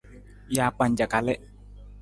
Jaakpanca kalii.